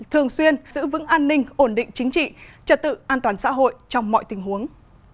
thường xuyên giữ vững an ninh ổn định chính trị trật tự an toàn xã hội trong mọi tình huống